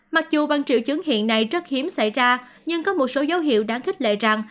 mặc dù bằng triệu chứng hiện nay rất hiếm xảy ra nhưng có một số dấu hiệu đáng khích lệ rằng